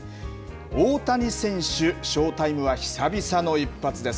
大谷選手、ショータイムはひさびさの一発です。